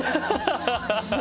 ハハハハ！